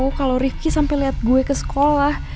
oh kalo rifki sampe liat gue ke sekolah